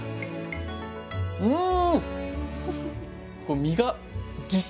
うん！